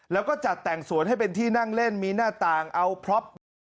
แล้วก็จัดแต่งสวนให้เป็นที่นั่งเล่นมีหน้าต่างเอาพล็อปมา